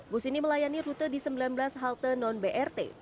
bus ini melayani rute di sembilan belas halte non brt